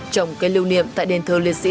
trồng cây lưu niệm tại đền thờ liệt sĩ